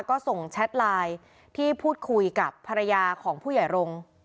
ก็ส่งแชทไลน์ที่พูดคุยกับภรรยาของผู้ใหญ่รงค์